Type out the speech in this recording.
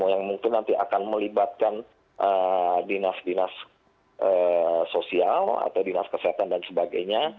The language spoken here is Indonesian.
yang mungkin nanti akan melibatkan dinas dinas sosial atau dinas kesehatan dan sebagainya